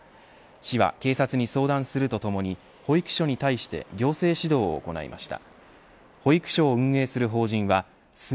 市は警察に相談するとともに保育所に対して行政指導を行いました。